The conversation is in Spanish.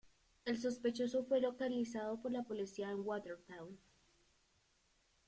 El sospechoso fue localizado por la policía en Watertown.